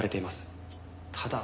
ただ。